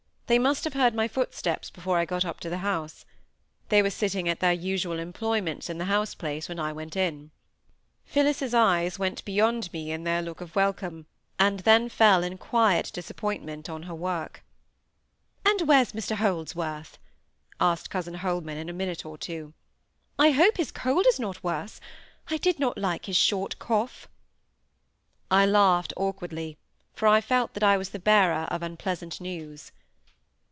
They must have heard my footsteps before I got up to the house. They were sitting at their usual employments in the house place when I went in. Phillis's eyes went beyond me in their look of welcome, and then fell in quiet disappointment on her work. "And where's Mr Holdsworth?" asked cousin Holman, in a minute or two. "I hope his cold is not worse,—I did not like his short cough." I laughed awkwardly; for I felt that I was the bearer of unpleasant news.